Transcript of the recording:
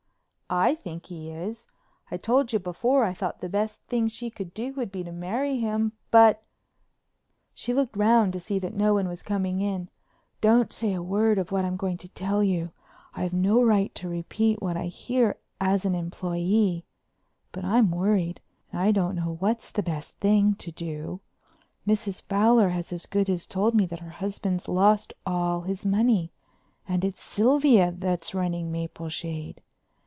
"I think he is. I told you before I thought the best thing she could do would be to marry him. But——" she looked round to see that no one was coming in——"don't say a word of what I'm going to tell you. I have no right to repeat what I hear as an employee but I'm worried and don't know what's the best thing to do. Mrs. Fowler has as good as told me that her husband's lost all his money and it's Sylvia's that's running Mapleshade.